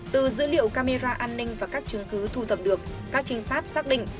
từ dữ liệu camera an ninh và các chứng cứ thu thập được các trinh sát xác định